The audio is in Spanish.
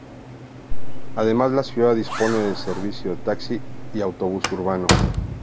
Además, la ciudad dispone de servicio de taxi y autobús urbano.